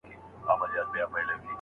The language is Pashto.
ته نه پوهېږې چي هغه څوک وو؟